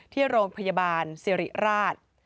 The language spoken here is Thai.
ที่โรงพยาบาลสิริราช